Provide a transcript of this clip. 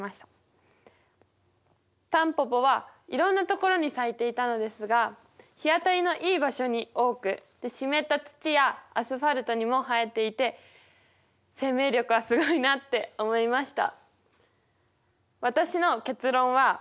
タンポポはいろんなところに咲いていたのですが日当たりのいい場所に多く湿った土やアスファルトにも生えていて生命力はすごいなって思いました。